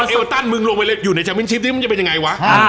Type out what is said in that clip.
เอเวอร์ตันมึงดูิอยู่ในชาวมิ้นชิปติดิมันจะเป็นยังไงวะ